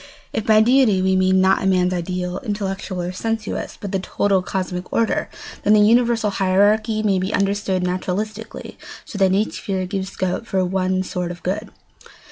If by deity we mean not man's ideal—intellectual or sensuous—but the total cosmic order, then the universal hierarchy may be understood naturalistically so that each sphere gives scope for one sort of good.